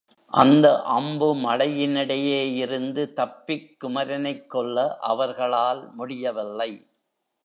அந்த அம்பு மழையினிடையேயிருந்து தப்பிக் குமரனைக் கொல்ல அவர்களால் முடியவில்லை.